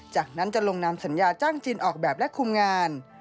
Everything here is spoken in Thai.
จากนั้นจะลงนำสัญญาจ้างจีนออกแบบและคุมงาน